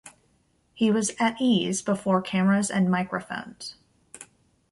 He was at ease before cameras and microphones.